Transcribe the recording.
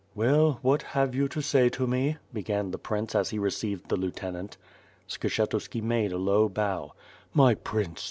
"Well, what have you to say to me?" began the Prince as he received the lieutenant. Skshetuski made a low bow. "My Prince!